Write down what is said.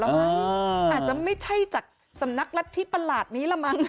มั้งอาจจะไม่ใช่จากสำนักรัฐธิประหลาดนี้ละมั้ง